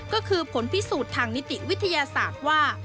ก็คือผลพิสูจน์ทางนิติวิทยาศาสตร์ว่า